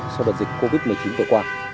sau đợt dịch covid một mươi chín vừa qua